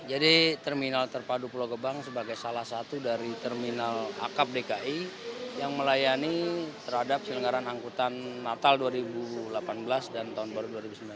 jadi terminal terpadu pulau gebang sebagai salah satu dari terminal akap dki yang melayani terhadap selenggaran angkutan natal dua ribu delapan belas dan tahun baru dua ribu sembilan belas